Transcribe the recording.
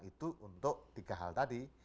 itu untuk tiga hal tadi